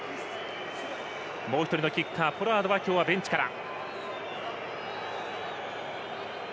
もう１人のキッカーポラードはベンチから。